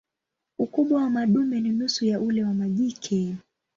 Ukubwa wa madume ni nusu ya ule wa majike.